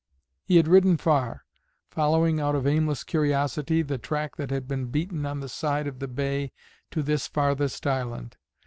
He had ridden far, following out of aimless curiosity the track that had been beaten on the side of the bay to this farthest island.